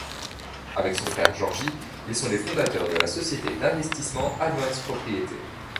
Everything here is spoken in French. Avec son frère Georgi, ils sont les fondateurs de la société d'investissement Advance Propriétés.